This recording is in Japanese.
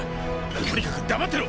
とにかく黙ってろ！